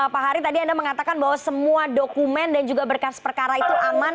pak hari tadi anda mengatakan bahwa semua dokumen dan juga berkas perkara itu aman